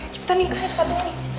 cepetan nih ayo sepatu